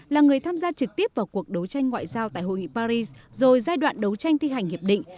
là người tham gia trực tiếp vào cuộc đấu tranh ngoại giao tại hội nghị paris rồi giai đoạn đấu tranh thi hành hiệp định